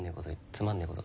つまんねえこと。